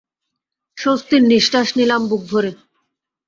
স্বস্তির নিশ্বাস নিলাম বুক ভরে।